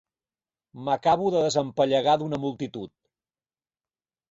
M'acabo de desempallegar d'una multitud.